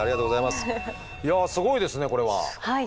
いやすごいですねこれは。はい。